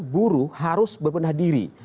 buruh harus berbenah diri